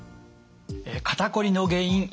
肩こりの原因